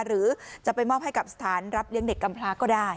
หรือจะไปมอบให้กับสถานรับเลี้ยงเด็กกำพลาก็ได้